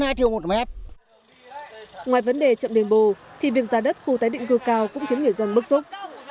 nhưng mà cái giá đất tái định cư cao cũng khiến người dân bức xúc